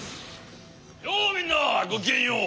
やあみんなごきげんよう！